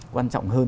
quan trọng hơn